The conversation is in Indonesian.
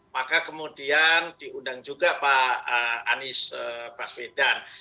maka kemudian diundang juga pak anies baswedan